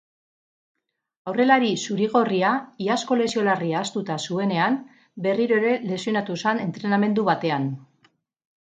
Aurrelari zuri-gorria iazko lesio larria ahaztuta zuenean berriro ere lesionatu zen entrenamendu batean.